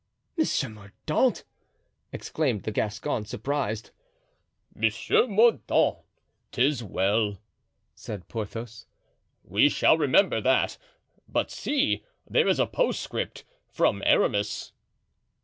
"Monsieur Mordaunt!" exclaimed the Gascon, surprised. "Monsieur Mordaunt! 'tis well," said Porthos, "we shall remember that; but see, there is a postscript from Aramis."